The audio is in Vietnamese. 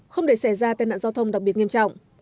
không để xảy ra tai nạn giao thông đặc biệt nghiêm trọng